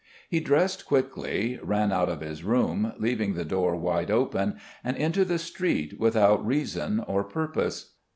He dressed quickly, ran out of his room, leaving the door wide open, and into the street without reason or purpose.